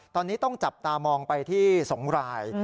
ตอนนี้ต้องจับตามองไปที่๒ราย